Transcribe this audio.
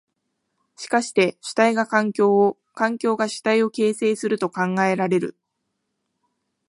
しかして主体が環境を、環境が主体を形成すると考えられる。